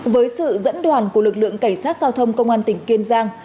với sự dẫn đoàn của lực lượng cảnh sát giao thông công an tỉnh kiên giang